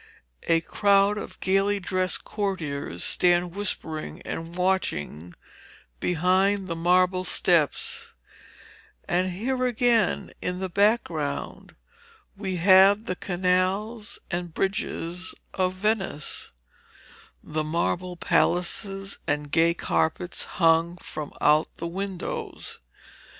A crowd of gaily dressed courtiers stand whispering and watching behind the marble steps, and here again in the background we have the canals and bridges of Venice, the marble palaces and gay carpets hung from out the windows.